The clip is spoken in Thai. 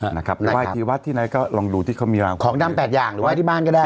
หรือไห้ที่วัดที่ไหนก็ลองดูที่เขามีราวของดำแปดอย่างหรือไห้ที่บ้านก็ได้